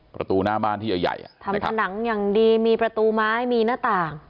ประตูหน้าบ้านที่ใหญ่ใหญ่อ่ะทำผนังอย่างดีมีประตูไม้มีหน้าต่าง